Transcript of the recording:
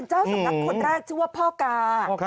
เจ้าสำนักคนแรกชื่อว่าพ่อกา